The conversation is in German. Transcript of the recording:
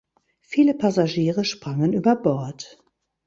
Viele Passagiere sprangen über Bord.